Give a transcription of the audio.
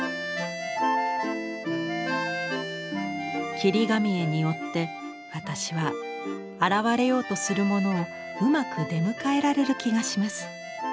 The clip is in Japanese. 「切り紙絵によって私は現れようとするものをうまく出迎えられる気がします。